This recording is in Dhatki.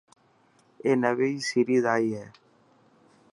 اي نوي سيريز اي هي.